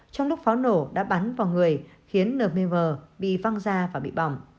trong lúc pháo nổ đã bắn vào người khiến nmv bị văng ra và bị bỏng